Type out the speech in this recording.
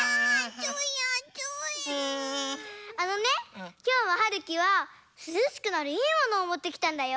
あのねきょうははるきはすずしくなるいいものをもってきたんだよ。